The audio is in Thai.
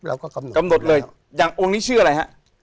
เราก็กำหนดชื่อเลย